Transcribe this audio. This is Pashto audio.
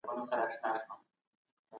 که ته قانون مات کړې، سزا به ووينې.